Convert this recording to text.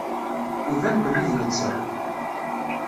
Iban belli d netta.